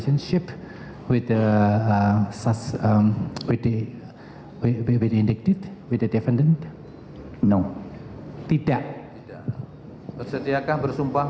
demi sang hyang adibudha